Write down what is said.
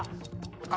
あ！